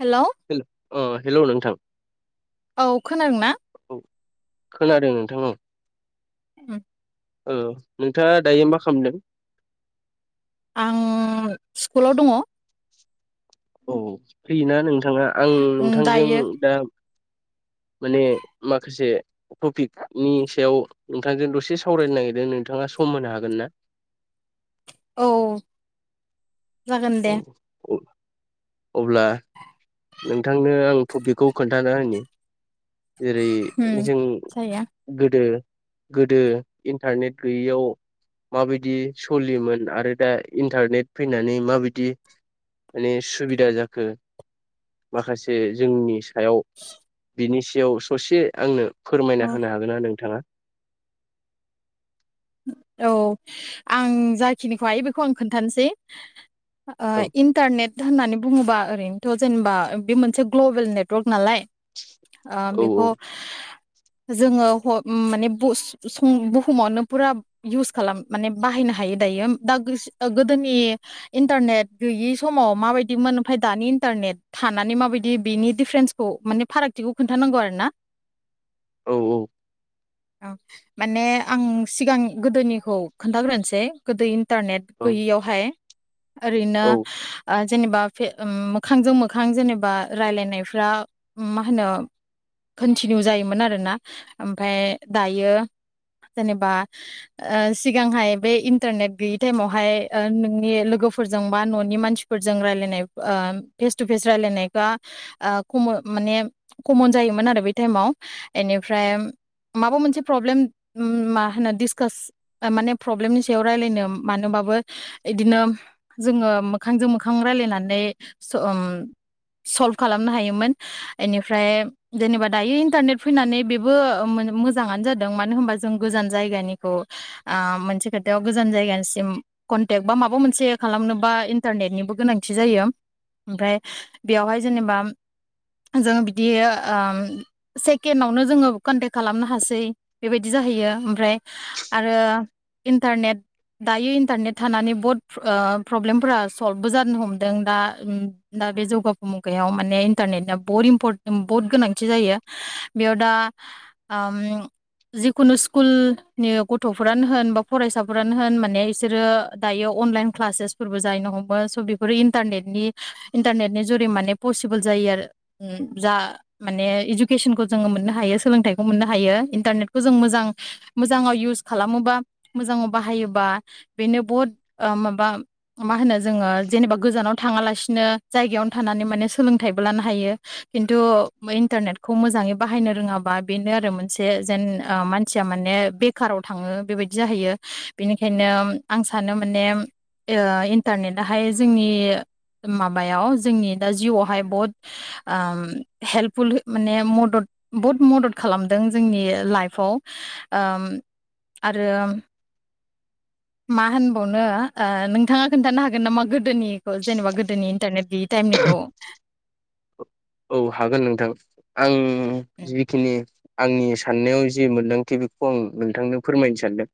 Hello हेल अ hello नोंथां औ खोनादों ना औ खोनादों नोंथां ओं। होम औ नोंथाङा दायो मा खालामदों। आं स्कुलाव दङ औ फैयोना नोंथा थाङा आं उम नोंथांजों दायो दा माने माखासे थपिक नि सायाव नोंथांजों दसे सावरायनो नागिरदों नोंथाङा सम होनो हागोन ना? औ जागोन दे औ अब्ला नोंथांनो आं टपिकखौ खोन्थानो होनि जेरै उम जों जायो गोदो गोदो इन्टारनेट गैयैयाव माबायदि सलियोमोन आरो दा इन्टारनेट फैनानै माबायदि माने सुबि दा जाखो माखासे जोंनि सो सायाव बिनि सा याव ससे आंनो फोरमायना औ होनो हागोन ना नोंथाङा औ आं जाखिनिखौहायो बेखौ आं खोन्थानोसै ओ औ इन्थारनेट होननानै बुङोबा ओरैनोथ जेनेबा बे मोनसे ग्ल ओ औ बेखौ जोङो ह' माने बुस सम बुहुमावनो फुरा इउस खालाम माने बाहायनो हायो दायो दा गोस गोदोनि इन्टारनेट गैयि समाव माबायदिमोन ओमफ्राय दानि इन्टारनेट थानानै माबायदि बेनि डिफारेन्सखौ माने फारागथिखौ खोन्थानांगौ आरोना। औ औ औ माने आं सिगां गोदोनिखौ खोन्थाग्रोनोसै गोदोय टारनेट औ गैयियावहाय ओरैनो औ जेनेबा मोखांजों मोखां जेनेबा रायलायनायफ्रा मा होनो कन्टिनिउ जायोमोन आरोना ओमफ्राय दायो जेनेबा ओ सिगांहाय बे इन्टारनेट गैयै टाइमावहाय ओ नोंनि लोगोफोरजों बा ननि मानसिफोरजों रायलायनाय ओ फेस थु‌फेस रायलायनाय खा आ माने कमन जायोमोन आरो बे टाइमाव एनिफ्राय माबा मोनसे प्रब्लेम मा होनो। दिसकास माने प्रब्लेमनि सा सायाव रायलायनो मानोबाबो इदिनो जोङो मोखांजों मोखां रायलायनानै स उम सल्भ खालामनो हायोमोन एनिफ्राय जेनेबा दायो इन्टारनेट फैनानै बेबो ओ मोजाङानो जादों मानो होनबा जों गोजान जायगानि खौ ओ मोनसे खोथायाव गोजान जायगानिसिम कनटेक्ट बा माबा मोनसे खालामनोबा इन्टारनेटनिबो गोनांथि जायो ओमफ्राय बेयावहाय जेनेबा जों बिदि ओ सेकेणडआवनो जोङो कन्टेक्ट खालामनो हासै बेबायदि जाहैयो। ओमफ्राय आरो इन्टारनेट दायो इन्टारनेट थानानै बहुत प्रब्लेमफोरा सल्भबो जानो हमदों दा दा बे जौगाफु मुगायाव माने इन्टारनेटआ बहत इम्प बहुत गोनांथि जायो बेयाव दा जिखुनु स्कुल गथ फोरानो होन बा फरायसाफोरानो होन माने बिसोरो दायो अनलाइन क्लासेसफोरबो जाहैनो हमो स बेफोरो इन्टारनेटनि इन्टारनेटनि जरै माने पसि [unintelligible] जायो आरो उम जा माने इडुकेसनखौ जोङो मोननो हायो सोलोंथाइखौ मोननो हायो इन्टारनेटखौ जों मोजां मोजाङाव इउस खालामोबा मोजाङाव बाहायोबा बेनो बहुत ओ माबा मा होनो जोङो जेनेबा गोजानाव थाङालासिनो जायगायावनो थानानै माने सोलोंथाइबो लानो हायो। खिथु [unintelligible] इन्टारनेट खौ मोजाङै बाहायनो रोङाबा बेनो आरो मोनसे जेन मानसिया माने बेखाराव थाङो बेबायदि जाहैयो बिनिखायनो आं सानो माने ओ इन्टारनेटहाय जोंनि माबायाव जोंनि दा जिउआवहाय बुहुत ओ हेल्पफुल माने मदद बुहुद मदद खालामदों जोंनि लाइफआव। ओम आरो मा होनबावनो ओ नोंथाङा खोन्थानो हागोन नामा गोदोनिखौ जेनेबा गोदोनि इन्टारनेट गैयि टाइमनिखौ? औ हागोन नोंथां आं उम जिखिनि आंनि साननायाव जे मोनदांथिबेखौ आं नोंथांनो फोरमायनो सानदों।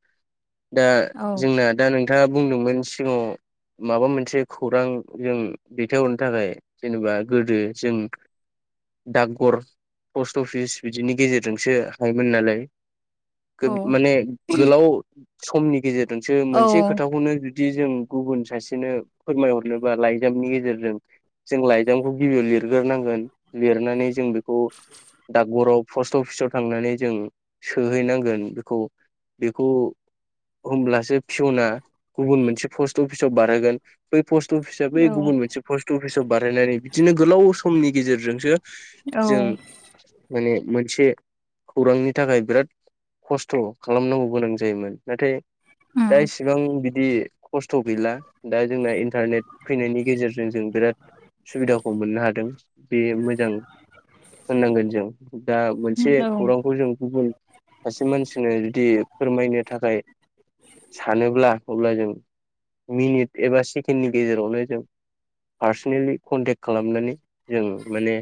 दा औ जोंना दा नों नोंथाङा बुंदोंमोन सिगाङाव माबा मोनसे खौरां जों दैथायहरनो थाखाय जेनेबा गोदो जों डागघर पस्ट अफिस बिदिनि गेजेरजोंसो हायोमोन नालाय। औ माने गोलाव समनि गेजेर नोंसो मोनसे औ खोथाखौनो बिदि जों गुबुन सासेनो फोरमायहरनोबा लाइजामनि गेजेरजों जों लाइजामखौ गिबियाव लिरो। गोरनांगोन लिरनानै जों बेख औ दागबरफ पस्ट अफिसाव थांनानै जों सोहैनांगोन बेखौ बेखौ होनब्लासो फिसना गुबुन मोनसे पस्ट अफिसाव बारहोगोन बै पस्ट अफिसा बै औ गुबुन मोनसे पस्ट अफिसाव बानायनानै बिदिनो गोलाव सम खनि गेजेरजोंसो औ जों माने मोन मोनसे खौरांनि थाखाय बिराद खस्थ खालामनांगौ गोनां जायोमोन नाथाय जाय सिगां बिदि खस्थ गैला दा जोंना इन्टारनेट फैनायनि गेजेरजों जों बिराद सुबिदाखौ मोनो। बे मोजां होननांगोन जों दा मोनसे खौरांखौ जों गुबुन सासे मानसिनो जुदि फोरमायनो थाखाय सानोब्ला अब्ला जों मिनिट एबा सेकेण्डनि गेजेरावनो जों फारस सेनेलि कनटेक्ट खालामनानै ओम माने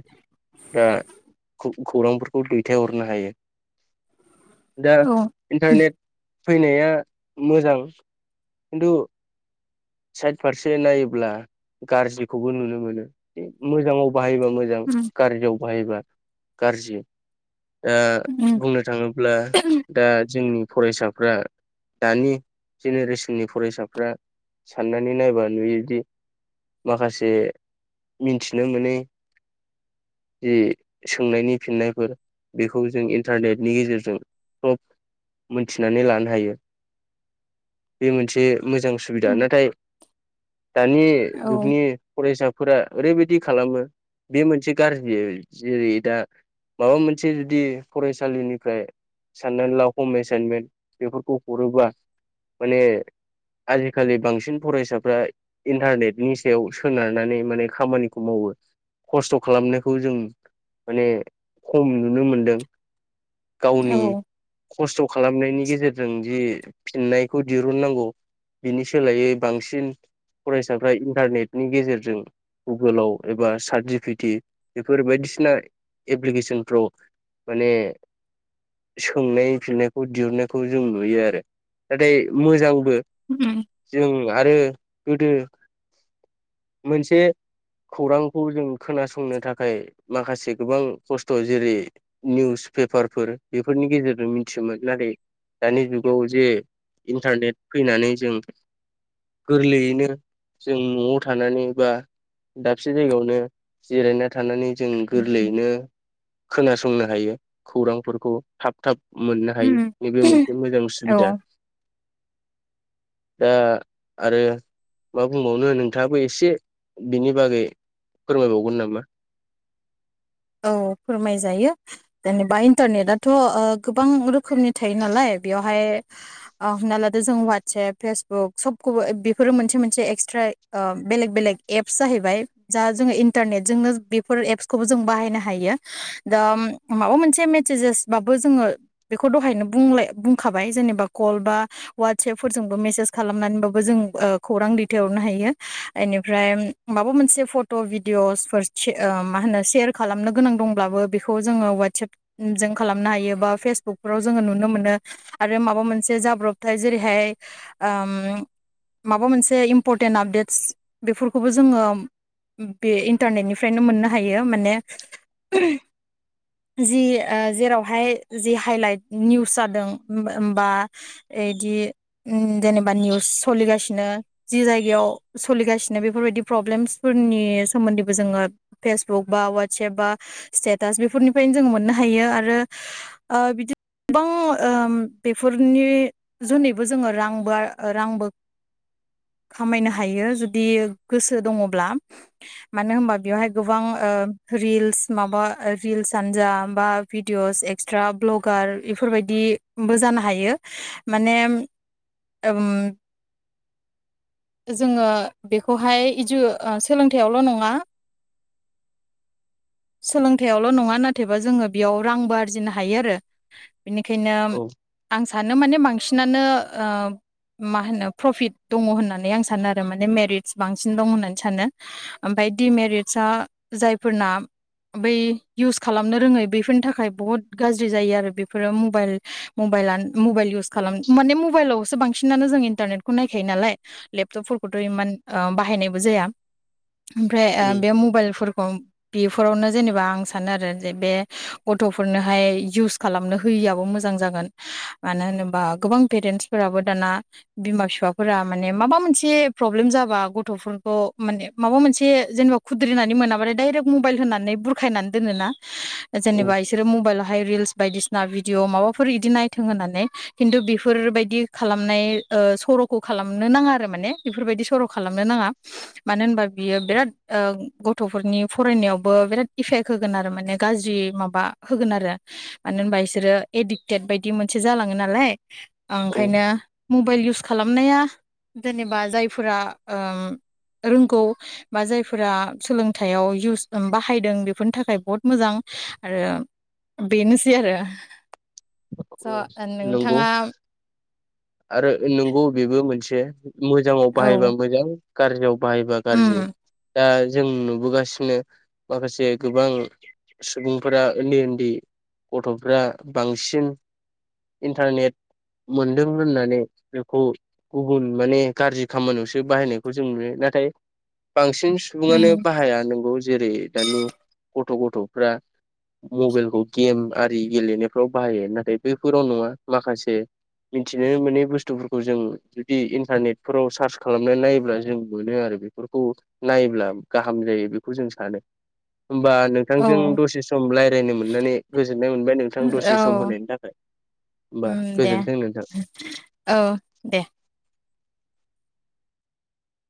दा खौ-खौरांफोरखौ दैथायहरनो हायो। दा इन्टारनेट फैनाया मोजां खिन्थु साइद फारसे नायोब्ला गाज्रिखौबो नुनो मोनो मोजाङाव बाहायबा मोजां गाज्रियाव फरायबा गाज्रि ओ बुंनो थाङोब्ला दा जोंनि फरायसाफ्रा दानि जेनेरेसननि फरायसाफ्रा साननानै नायबा नुयोदि माखासे मिथिनो मोनै जि सोंनायनि फिननायफोर बेखौ जों इन्टारनेटनि गेजेरजों सब मोनथिनानै लानो हायो बे मोनसे मोजां सुबिदा नाथाय दानि जुगनि फरायसा फोरा ओरैबायदि खालामो बे मोनसे गारजि जेरै दा माबा मोनसे जुदि फरायसालिनिफ्राय साननानै ला हम एसाइनमेन्ट बेफोरखौ हरोब्ला माने आजिखालि बांसिन फरायसाफ्रा इन्टारनेटनि सायाव सोनारनानै माने खामानिखौ मावो खस्थ खालामनायखौ जों माने खम नुनो मोनदों गावनि। खस्थ खालामनायनि गेजेरजों दि फिननायखौ दिरुननांगौ बिनि सोलायै बांसिन फरायसाफ्रा इन्टारनेटनि गेजेरजों गुगोलाव एबा सार्ट जिपिटि बेफोर बायदिसिना एप्लिकेसनफ्राव माने सोंनाय फिननायखौ दिहुननायखौ जों नुयो आरो नाथाय मोजां। बो जों आरो गोदो मोनसे खौरांखौ जों खोनासंनो थाखाय माखासे गोबां खस्थ जेरै निउस पेपारफोर बेफोरनि गेजेरजों मिथियोमोन नाथाय दानि जुगाव जे इन्टारनेट फैनानै जों गोरलैयैनो जों न'आव थानानै बा दाबसे जायगायावनो। जिरायना थानानै जों गोरलैयैनो खोनासंनो हायो खौरांफोरखौ थाब थाब मोननो हायो नैबे मोनसे मोजां सुबिदा। दा आरो मा बुंबावनो नोंथाङाबो एसे बिनि बागै। फोरमायबावगोन नामा? औ फोरमायजायो जेनेबा इन्टारनेटआथ ओ गोबां रोखोमनि थायो नालाय बेवहाय ओ हमना लादो जों वाटसेएप फेसबुक सबखौबो बेफोरो मोनसे मोनसे एक्सट्रा ओ बेलेग बेलेग एप्स जाहैबाय दा जोङो इन्टारनेटजोंनो बेफोर एपसखौबो जों बाहाय नो हायो दा माबा मोनसे मेसेजेसबाबो जोङो बेखौ दहायनो बुंलाय बुंखाबाय जेनेबा कल बा वाटसएपफोरजोंबो मेसेज खालामनानै बाबो जों खौरां दैथाय हरनो हायो इनिफ्राय माबा मोनसे फथ भिडिअसफोर शे ओ मा होनो शेर। खालामनो गोनां दंब्लाबो बेखौ जोङो वाटसेप जों खालामनो हायो बा फेसबुकफोराव जोङो नुनो मोनो आरो माबा मोनसे जाब्रबथाय जेरैहाय ओ माबा मोनसे इम्परटेन्ट आपडेटस बेफोरखौबो जोङो बे इन्टारनेटनिफ्रायनो मोननो हायो माने। जि ओ जेरावहाय जि हाइलाइट निउस जादों बा इदि उम जेनेबा निउस सलिगासिनो जि जायगायाव सलिगासिनो बेफोरबायदि प्रब्लेमसफोरनि सोमोन्दैबो जोङो फेसबुक बा वाट वटसेप बा स्टेटास बेफोरनिफ्रायनो जोङो मोननो हायो आरो ओ बिदि गोबां बेफोरनि जुनैबो जोङो रांबो रांबो खामायनो हायो जुदि गोसो दङब्ला मानो होनबा बेवहाय गोबां ओ। रिल्स माबा रिल्स आनोजा बा भिडिअस एक्सट्रा भ्लगार इफोरबायदिबो जानो हायो माने उम जोङो बेखौहाय इजु ओ सोलोंथायाइयावल' नङा सोलोंथायाइयावल' नङा नाथायबा जोङो बेयाव रांबो आरजिनो हायो आरो बिनिखायनो औ आं सानो माने मा बांसिनानो ओ मा होनो प्रपिट दङ होननानै आं सानो आरो माने मेरिटस बांसिन दं होननानै सानो ओमफाय डिमेरिटसा जाय फोरना बै इउस खालामनो रोङै बैफोरनि थाखाय बुहुत गाज्रि जायो आरो बेफोरो मबाइल मबाइला मबाइल इउस खालाम माने मबाइलावसो बांसिनानो जों इन्टारनेटखौ नायखायो नालाय लेपटपफोरखौथ इमान बाहायनायबो जाया। ओमफ्राय ओ उम बे मबाइलफोरखौ बेफोरावनो जेनेबा आं सानो आरो जे बे गथ'फोरनोहाय इउस खालामनो होयियाबो मोजां जागोन मानो होनोबा गोबां पेरेन्टसफोराबो दाना बिमा बिफाफोरा माने माबा मोनसे प्रब्लेम जाबा गथ'फोरखौ माने माबा मोनसे जेनेबा खुद्रिनानै मोनाबाथाय डायरेक्ट मबाइल होनानै बुरखायनानै दोनोना। औ जेनेबा इसोरो मबाइलावहाय रिल्स बायदिसिना भिडिअ माबाफोर इदि नायथों होननानै खिन्थु बेफोरबायदि खालामनाय ओ सरखौ खालामनो नाङा आरो माने बेफोरबायदि सर खालामनो नाङा मानो होनबा बियो बिराद गथ'फोरनि। फरायनायावबो बिराद इफेक्ट होगोन आरो माने गाज्रि माबा होगोन आरो मानो होनबा बिसोरो एडिक्टेड बायदि मोनसे जालाङो नालाय औ ओंखायनो मबाइल इउस खालामनाया जेनेबा जायफोरा ओम रोंगौ बा जायफोरा सोलोंथाइयाव [unintelligible] दों बाहायदों बेफोरनि थाखाय बहुत मोजां आरो बेनोसै आरो स औ नंगौ नोंथाङा आरो नंगौ बेबो मोनसे मोजाङाव बाहायबा औ मोजां गाज्रिआव। बायोबा गाज्रि उम दाज जों नुबोगासिनो माखासे गोबां सुबुंफोरा उन्दै उन्दै गथ'फ्रा बांसिन इन्टारनेट मोन दों होननानै बेखौ गुबुन माने गाज्रि खामानियावसो बाहायनायखौ जों नुयो नाथाय बांसिन सुबुङानो उम बाहाया नंगौ जेरै दानि गथ गथ' गथ'फ्रा मबाइलखौ गेम आरि गेलेनायफ्राव बाहायो नाथाय बैफोराव नङा माखासे मिथिनो मोनै बुस्थुफोरखौ जों जुदि इन्टारनेटफोराव सार्च खालामनानै नायोब्ला जों मोनो आरो बेफोरखौ नायोब्ला गाहाम जायो बेखौ जों सानो। होमबा औ नोंथांजों दसे सम रायज्लायनो मोननानै गोजोननाय मोनबाय नोंथां दसे सम औ होनायनि थाखाय होमबा उम दे गोजोन औ दे।